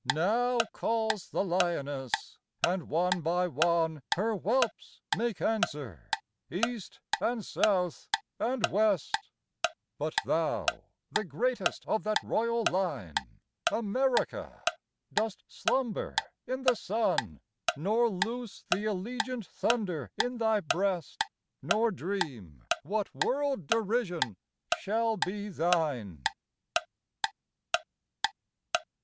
Now calls the Lioness, and one by one Her whelps make answer, east and south and west; But thou, the greatest of that royal line, America! dost slumber in the sun, Nor loose the allegiant thunder in thy breast, Nor dream what world derision shall be thine.